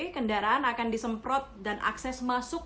kendaraan akan disemprot dan akses masuk